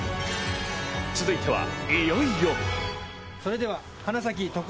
続いては、いよいよ。